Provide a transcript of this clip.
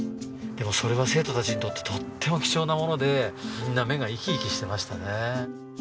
でもそれは生徒たちにとってとっても貴重なものでみんな目が生き生きしてましたね。